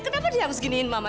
kenapa dia harus giniin mama